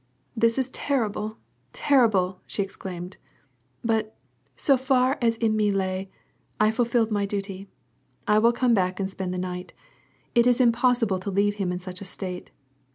"This is terrible, terrible !" she exclaimed. "But, so far as in me lay, I fulfilled my duty. I will come back and spend the night. It is impossible to leave him in such a state.